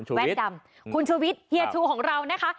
คุณชูวิทคุณชูวิทเฮียทูของเรานะคะ